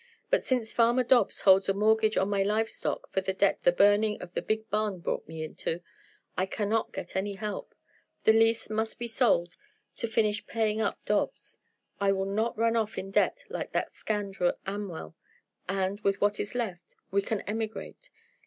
But since Farmer Dobbs holds a mortgage on my live stock for the debt the burning of the big barn brought me into, I cannot get any help. The lease must be sold to finish paying up Dobbs. I will not run off in debt like that scoundrel Amwell, and, with what is left, we can emigrate.